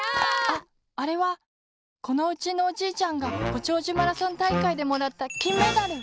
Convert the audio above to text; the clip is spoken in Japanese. ああれはこのうちのおじいちゃんがごちょうじゅマラソンたいかいでもらったきんメダル！